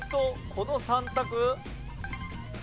この３択？